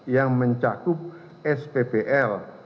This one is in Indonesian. yang mencakup sppl